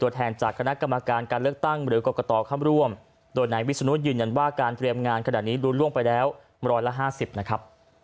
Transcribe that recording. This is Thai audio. วันที่สี่พฤษภาคมจะไม่ใช่วันที่สี่พฤษภาคมจะไม่มี